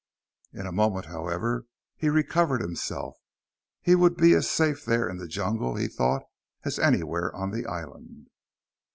In a moment, however, he recovered himself. He would be as safe there in the jungle, he thought, as anywhere on the island.